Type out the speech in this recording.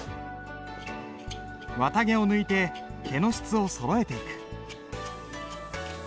綿毛を抜いて毛の質をそろえていく。